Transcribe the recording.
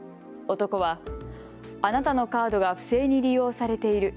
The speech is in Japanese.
男はあなたのカードが不正に利用されている。